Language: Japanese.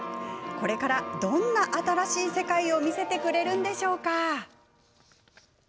これから、どんな新しい世界を見せてくれるのでしょう？